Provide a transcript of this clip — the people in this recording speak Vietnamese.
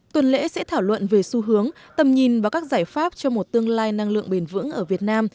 tuần lễ sẽ thảo luận về xu hướng tầm nhìn và các giải pháp cho một tương lai năng lượng bền vững ở việt nam